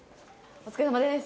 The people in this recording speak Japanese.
お疲れさまです。